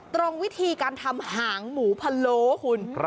ตรงวิธีการทำหางหมูพะโล้คุณ